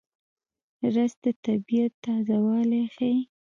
رس د طبیعت تازهوالی ښيي